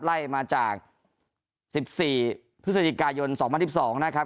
ไล่มาจาก๑๔พฤศจิกายน๒๐๑๒นะครับ